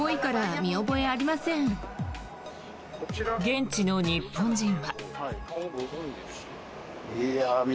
現地の日本人は。